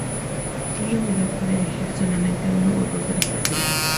Un vendedor puede elegir seguir solamente uno o dos de los perfiles.